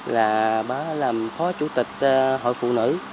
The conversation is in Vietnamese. là bà làm phó chủ tịch hội phụ nữ